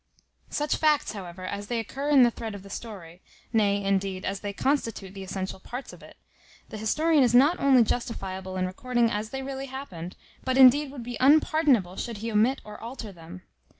Such facts, however, as they occur in the thread of the story, nay, indeed, as they constitute the essential parts of it, the historian is not only justifiable in recording as they really happened, but indeed would be unpardonable should he omit or alter them.